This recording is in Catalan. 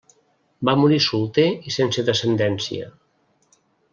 Va morir solter i sense descendència.